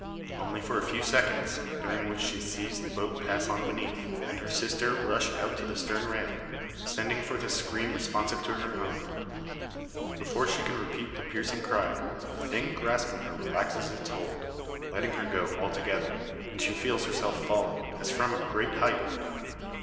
Only for a few seconds, during which she sees the boat pass on beneath, and her sister rush out to the stern rail, sending forth a scream responsive to her own. Before she can repeat the piercing cry, the thing grasping her relaxes its hold, letting her go altogether, and she feels herself falling, as from a great height.